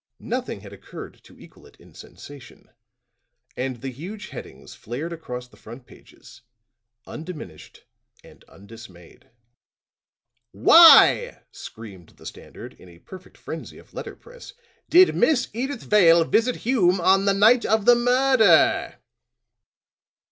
Nothing had occurred to equal it in sensation; and the huge headings flared across the front pages, undiminished and undismayed. "Why," screamed the Standard, in a perfect frenzy of letter press, "did Miss Edyth Vale visit Hume on the night of the murder?"